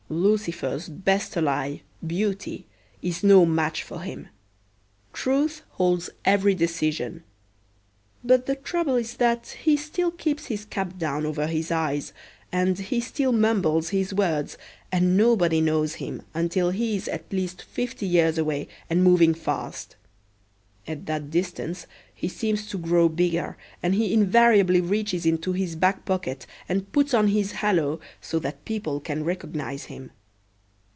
Lucifer's best ally, Beauty, is no match for him. Truth holds every decision. But the trouble is that he still keeps his cap down over his eyes, and he still mumbles his words, and nobody knows him until he is at least fifty years away and moving fast. At that distance he seems to grow bigger, and he invariably reaches into his back pocket and puts on his halo so that people can recognize him.